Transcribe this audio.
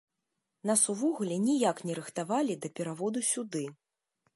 Нас увогуле ніяк не рыхтавалі да пераводу сюды!